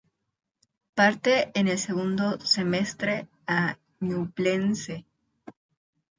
Parte en el segundo semestre a Ñublense.